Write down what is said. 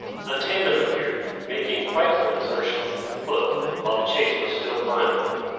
The tandem appeared, making frightful exertions, at the foot, while the chase was still climbing.